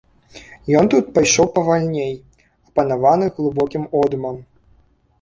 Ён тут пайшоў павальней, апанаваны глыбокім одумам.